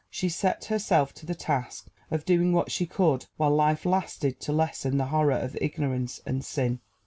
She set herself to the task of doing what she could while life lasted to lessen the horror of ignorance and sin.